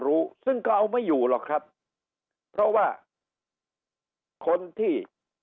รู้ซึ่งก็เอาไม่อยู่หรอกครับเพราะว่าคนที่